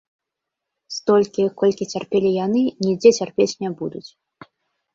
Столькі, колькі цярпелі яны, нідзе цярпець не будуць.